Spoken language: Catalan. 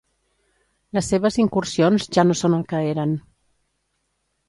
Les seves incursions ja no són el que eren.